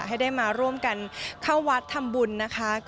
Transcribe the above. ให้ได้มาร่วมกันเข้าวัดทำบุญนะคะ